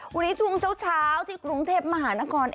วันนี้ช่วงเช้าที่กรุงเทพมหานคร